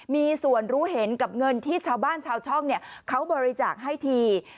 มีส่วนรู้เห็นกับเงินที่ชาวบ้านชาวช่องเขาบริจาคให้ที